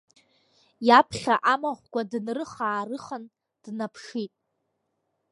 Иаԥхьа амахәқәа дынрыха-аарыхан, днаԥшит.